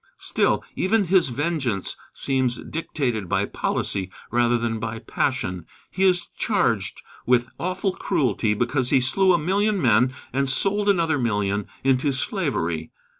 Still, even his vengeance seems dictated by policy rather than by passion. He is charged with awful cruelty because he slew a million men and sold another million into slavery.